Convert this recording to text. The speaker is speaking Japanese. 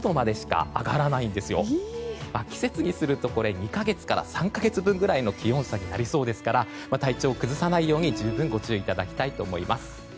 季節にすると２か月から３か月分の気温になりそうですから体調を崩さないように十分ご注意いただきたいと思います。